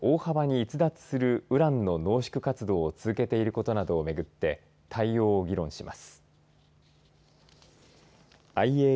イランが核合意を大幅に逸脱するウランの濃縮活動を続けていることなどをめぐって対応を議論します。